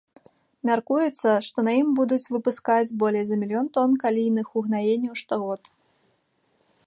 Мяркуецца, што на ім будуць выпускаць болей за мільён тон калійных угнаенняў штогод.